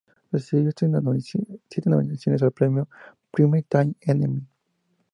Recibió siete nominaciones al Premio Primetime Emmy.